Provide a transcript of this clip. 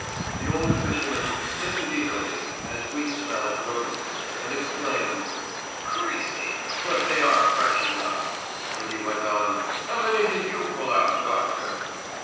The old fisherman sniffed it eagerly, as we smell at roses, and exclaimed: "Cristi! But they are fresh enough!" and he went on: "How many did you pull out, doctor?"